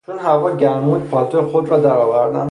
چون هوا گرم بود پالتو خود را در آوردم.